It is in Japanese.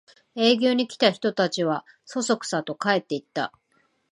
営業に来た人たちはそそくさと帰っていった